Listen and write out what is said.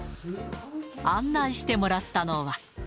案内してもらったのは。